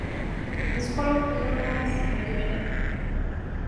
އިސްކޮޅު ކުރުނޫނަސް މެދުމިނެއް